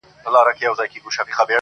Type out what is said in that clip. o د زور ياري، د خره سپارکي ده!